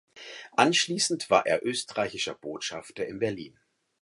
Anschließend war er österreichischer Botschafter in Berlin.